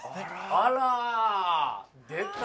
あら出た！